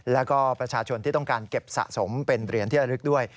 แล้วก็ประชาชนที่ต้องการเก็บสะสมเป็นเหรียญที่ระลึกด้วย